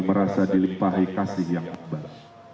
merasa dilimpahi kasih yang ikhbar